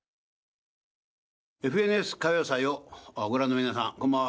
「ＦＮＳ歌謡祭」をご覧の皆さんこんばんは。